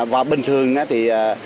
và bình thường thì